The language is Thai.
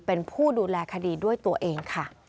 เป็นผู้ดูแลคดีด้วยตัวเองค่ะ